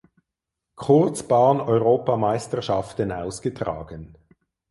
Kurzbahneuropameisterschaften ausgetragen.